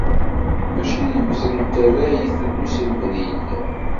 Mačči yiwet n tarrayt n uselmed i yellan.